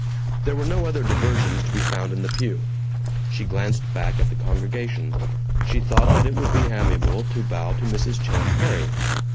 There were no other diversions to be found in the pew. She glanced back at the congregation. She thought that it would be amiable to bow to Mrs. Champ Perry.